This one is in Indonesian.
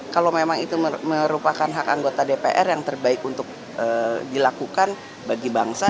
kalau memang itu merupakan hak anggota dpr yang terbaik untuk dilakukan bagi bangsa